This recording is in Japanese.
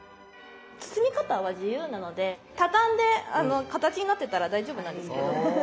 包み方は自由なので畳んで形になってたら大丈夫なんですけど。